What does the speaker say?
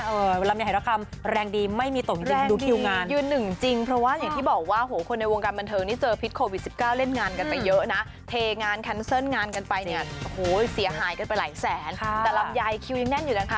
วันลำยายขกาขอร์มแรงดีไม่มีต่ำยิงมองเข้ามาดูคิ้วงาน